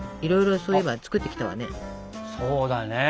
そうだね。